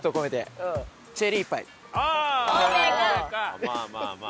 まあまあまあまあ。